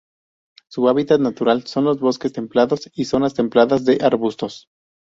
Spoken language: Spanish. Su hábitat natural son los bosques templados y zonas templadas de arbustos.